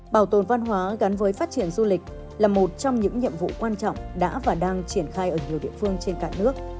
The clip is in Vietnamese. bảo tồn văn hóa gắn với phát triển du lịch là một trong những nhiệm vụ quan trọng đã và đang triển khai ở nhiều địa phương trên cả nước